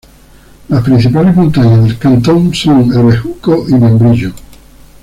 Las principales montañas del cantón son El Bejuco y Membrillo.